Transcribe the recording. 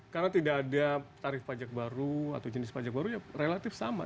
karena tidak ada tarif pajak baru atau jenis pajak baru ya relatif sama